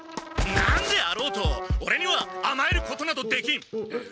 何であろうとオレにはあまえることなどできん！